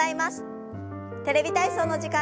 「テレビ体操」の時間です。